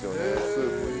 スープに。